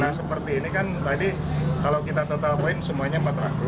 nah seperti ini kan tadi kalau kita total poin semuanya empat ratus